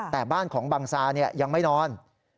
แต่บ้านของบังซายังไม่นอน